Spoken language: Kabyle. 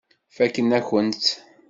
Fakken-akent-tt.